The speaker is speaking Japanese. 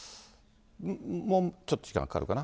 もうちょっと時間がかかるかな。